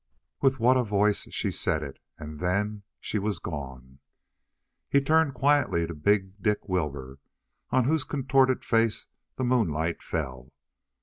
With what a voice she said it! And then she was gone. He turned quietly to big Dick Wilbur, on whose contorted face the moonlight fell.